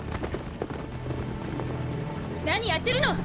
何やってるの！